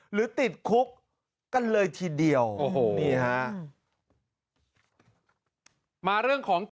หรือติดคุกกันเลยทีเดียวโอ้โหนี่ฮะมาเรื่องของ